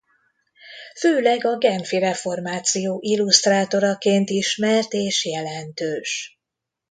Főleg a genfi reformáció illusztrátoraként ismert és jelentős.